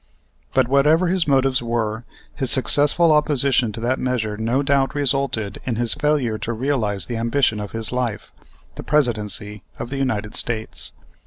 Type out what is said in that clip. But, whatever his motives were, his successful opposition to that measure no doubt resulted in his failure to realize the ambition of his life, the Presidency of the United States.